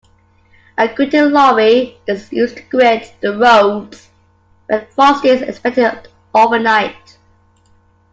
A gritting lorry is used to grit the roads when frost is expected overnight